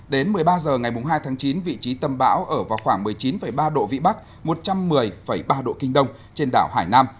đến một mươi ba h ngày hai tháng chín vị trí tâm bão ở vào khoảng một mươi chín ba độ vĩ bắc một trăm một mươi ba độ kinh đông trên đảo hải nam